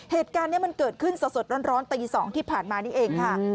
เหตุการณ์นี้มันเกิดขึ้นสดร้อนตี๒ที่ผ่านมานี่เองค่ะ